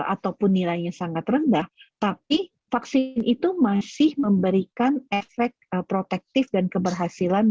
ataupun nilainya sangat rendah tapi vaksin itu masih memberikan efek protektif dan keberhasilan